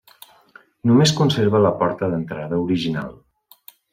Només conserva la porta d'entrada original.